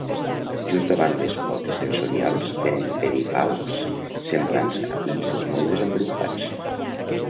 Just davant les potes sensorials tenen pedipalps semblants a pinces molt desenvolupats.